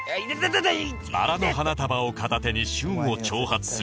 バラの花束を片手に舜を挑発する